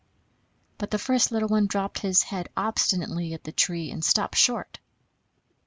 But the first little one dropped his head obstinately at the tree and stopped short.